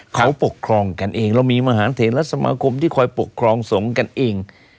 เขาปกครองกันเองเรามีมหาเทรสมาคมที่คอยปกครองสงฆ์กันเอง